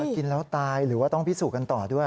กินแล้วตายหรือว่าต้องพิสูจน์กันต่อด้วย